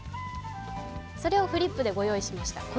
それをフリップでご用意しました。